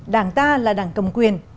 đảng ta là đảng cầm quyền